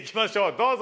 どうぞ！